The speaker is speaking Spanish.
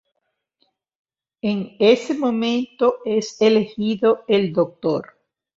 En ese momento es elegido el Dr.